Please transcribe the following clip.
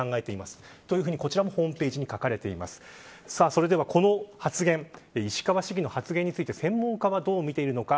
それでは、この発言石川市議の発言について専門家はどう見ているのか